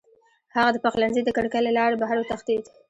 هغه د پخلنځي د کړکۍ له لارې بهر وتښتېد.